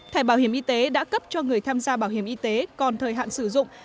thẻ bảo hiểm y tế đã cấp cho người tham gia bảo hiểm y tế còn thời hạn sử dụng